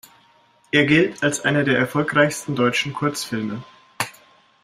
Er gilt als einer der erfolgreichsten deutschen Kurzfilme.